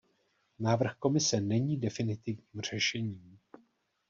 Návrh Komise není definitivním řešením.